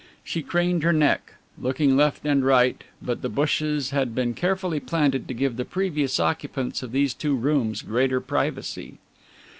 She craned her neck, looking left and right, but the bushes had been carefully planted to give the previous occupants of these two rooms greater privacy.